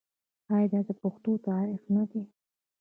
آیا دا د پښتنو تاریخ نه دی؟